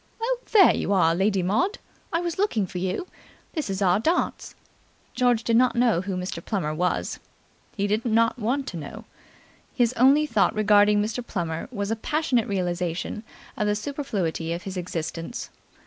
"Oh, there you are, Lady Maud! I was looking for you. This is our dance." George did not know who Mr. Plummer was. He did not want to know. His only thought regarding Mr. Plummer was a passionate realization of the superfluity of his existence.